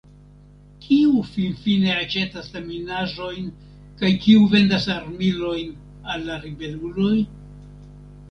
Kiu finfine aĉetas la minaĵojn kaj kiu vendas armilojn al la ribeluloj?